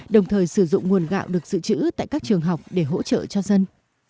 đồng thời sử dụng nguồn gạo được dự trữ tại các trường học để hỗ trợ cho dân